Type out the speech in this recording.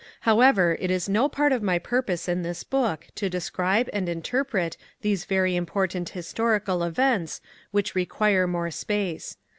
However, it is no part of my purpose in this book to describe and interpret these very important historical events, which require more space.